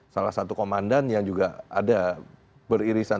salah satu komandan yang juga ada beririsan